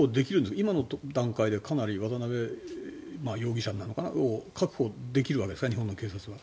今の段階でかなり、渡邉容疑者を確保できるわけですか日本の警察は。